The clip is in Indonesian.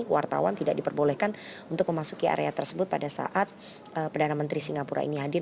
wartawan tidak diperbolehkan untuk memasuki area tersebut pada saat perdana menteri singapura ini hadir